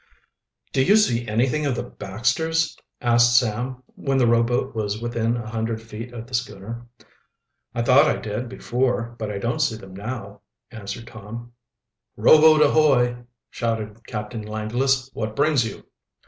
"Do you see anything of the Baxters?" asked Sam, when the rowboat was within a hundred feet of the schooner. "I thought I did before, but I don't see them now," answered Tom. "Rowboat, ahoy!" shouted Captain Langless. "What brings you?"